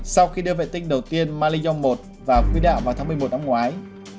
sau khi đưa vệ tinh đầu tiên mali yong một vào quỹ đạo vào tháng một mươi một năm ngoái